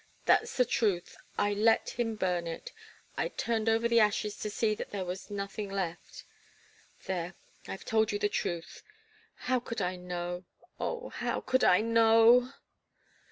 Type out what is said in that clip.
That's the truth. I let him burn it. I turned over the ashes to see that there was nothing left. There I've told you the truth. How could I know oh, how could I know?"